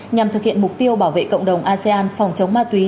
nhằm thực hiện mục tiêu bảo vệ cộng đồng asean phòng chống ma túy